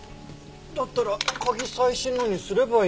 だったら鍵最新のにすればいいのに。